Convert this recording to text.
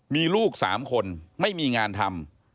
มีลูก๓คนไม่มีงานทำ